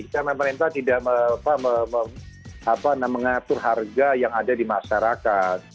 kita kan kemarin kan tidak mengatur harga yang ada di masyarakat